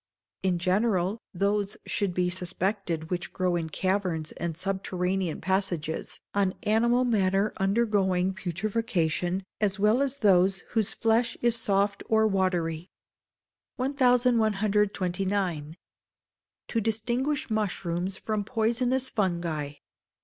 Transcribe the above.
In general, those should be suspected which grow in caverns and subterranean passages, on animal matter undergoing putrefaction, as well as those whose flesh is soft or watery. 1129. To Distinguish Mushrooms from Poisonous Fungi.